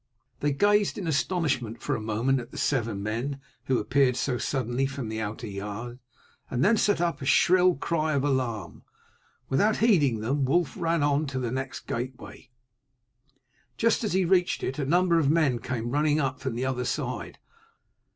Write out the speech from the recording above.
They gazed in astonishment for a moment at the seven men who appeared so suddenly from the outer yard, and then set up a shrill cry of alarm. Without heeding them Wulf ran on to the next gateway. Just as he reached it a number of men came running up from the other side.